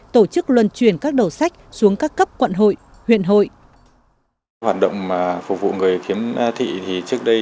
tổ chức luân truyền các đầu sách xuống các cấp quận hội huyện hội